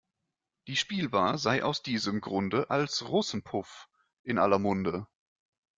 Die Spielbar sei aus diesem Grunde als Russenpuff in aller Munde.